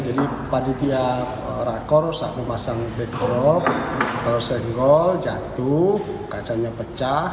jadi pada tiap rakor saya memasang backdrop terus jatuh kacanya pecah